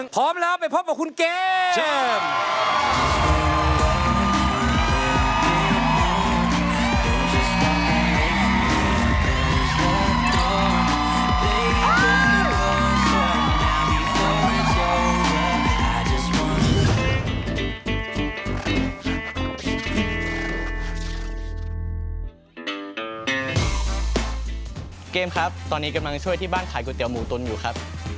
เกมครับตอนนี้กำลังช่วยที่บ้านขายก๋วยเตี๋ยวหมูตนอยู่ครับ